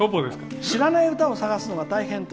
知らねえ歌を探すほうが大変と。